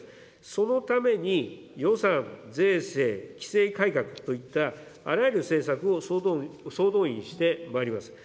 そのために予算、税制、規制改革といったあらゆる政策を総動員してまいります。